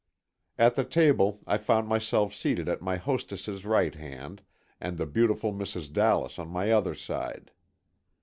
At the table I found myself seated at my hostess's right hand and the beautiful Mrs. Dallas on my other side.